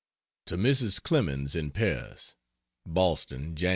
To Mrs. Clemens, in Paris: BOSTON, Jan.